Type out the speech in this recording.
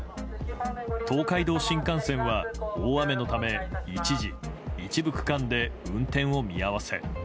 東海道新幹線は、大雨のため一時、一部区間で運転を見合わせ。